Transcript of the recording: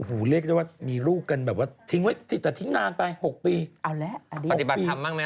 หรือไม่ได้นะโปรดแล้วก็ปาลินดีใจด้วยนะคะคุณเป้ย